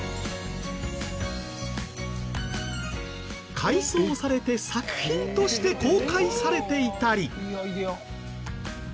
改装されて作品として公開されていたり。